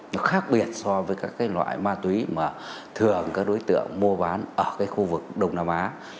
nó khác biệt so với các cái loại ma túy mà thường các đối tượng mua bán ở cái khu vực đông nam á